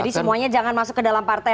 jadi semuanya jangan masuk ke dalam partai